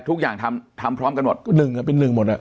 ทุกอย่างทำทำพร้อมกันหมดหนึ่งเป็นหนึ่งหมดอ่ะ